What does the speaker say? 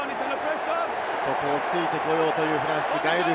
そこを突いてこようというフランス。